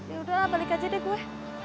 yaudah balik aja deh gue